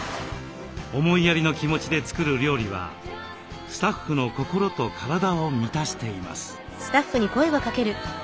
思いやりの気持ちで作る料理はスタッフの心と体を満たしています。